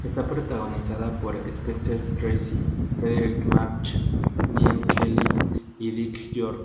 Está protagonizada por Spencer Tracy, Fredric March, Gene Kelly y Dick York.